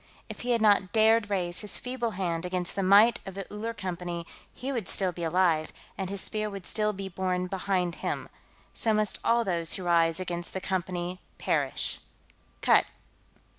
If he had not dared raise his feeble hand against the might of the Uller Company, he would still be alive, and his Spear would still be borne behind him. So must all those who rise against the Company perish.... Cut."